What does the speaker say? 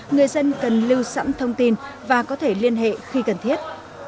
người dân cần lưu sẵn thông tin và có thể liên hệ khi cần thiết